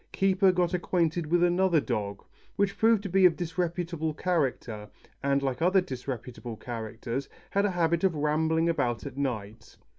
Keeper got acquainted with another dog, which proved to be of disreputable character, and like other disreputable characters, had a habit of rambling about at night.